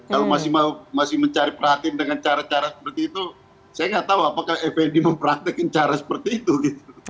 kalau masih mencari perhatian dengan cara cara seperti itu saya nggak tahu apakah fnd mempraktekin cara seperti itu gitu